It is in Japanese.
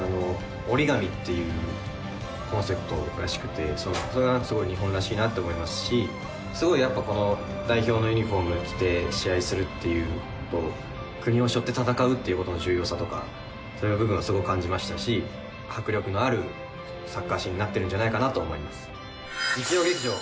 折り紙っていうコンセプトらしくてそれが何かすごい日本らしいなと思いますしすごいやっぱこの代表のユニフォーム着て試合するっていうことを国を背負って戦うっていうことの重要さとかそういう部分をすごく感じましたし迫力のあるサッカーシーンになってるんじゃないかなと思います